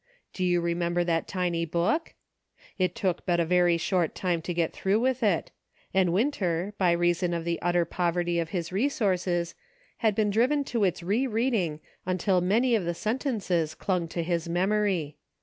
Do you remember that tiny book ? It took but a very short time to get through with it ; and Winter, by reason of the utter poverty of his resources, had been driven to its re reading until many of the sentences clung to his memory.